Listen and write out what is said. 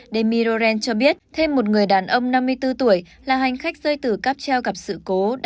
demiroren cho biết thêm một người đàn ông năm mươi bốn tuổi là hành khách rơi từ cắp treo gặp sự cố